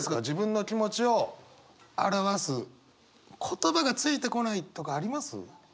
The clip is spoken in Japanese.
自分の気持ちを表す言葉がついてこないとかあります？